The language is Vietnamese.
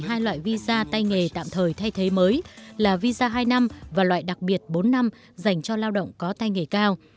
hai loại visa tay nghề tạm thời thay thế mới là visa hai năm và loại đặc biệt bốn năm dành cho lao động có tay nghề cao